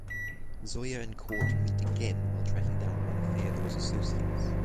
Zoya and Court meet again while tracking down one of Feodor’s associates.